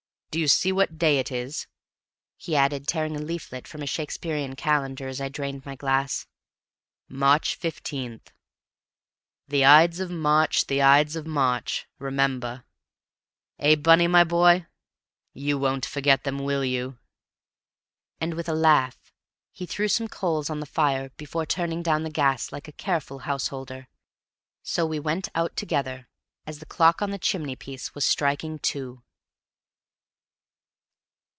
Do you see what day it is?" he added, tearing a leaflet from a Shakespearian calendar, as I drained my glass. "March 15th. 'The Ides of March, the Ides of March, remember.' Eh, Bunny, my boy? You won't forget them, will you?" And, with a laugh, he threw some coals on the fire before turning down the gas like a careful householder. So we went out together as the clock on the chimney piece was striking two.